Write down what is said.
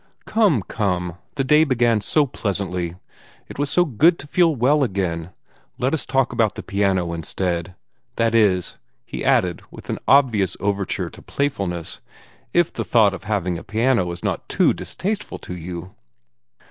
"Come, come the day began so pleasantly it was so good to feel well again let us talk about the piano instead. That is," he added, with an obvious overture to playfulness, "if the thought of having a piano is not too distasteful to you."